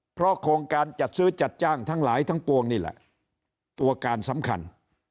เพราะโครงการจัดซื้อจัดจ้างทั้งหลายทั้งปวงนี่แหละตัวการสำคัญ